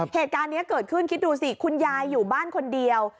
เหตุการณ์นี้เกิดขึ้นคิดดูสิคุณยายอยู่บ้านคนเดียว